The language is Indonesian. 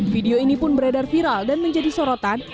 video ini pun beredar viral dan menjadi sorotan